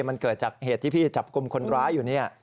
มันเกิดจากเหตุที่พี่จับกลุ่มคนร้ายอยู่นี่